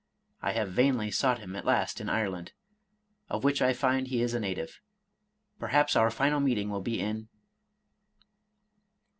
I have vainly sought him at last in Ireland, of which I find he is a native.' — Perhaps our final meeting will be in